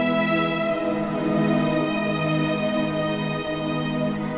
saya cuma pecundang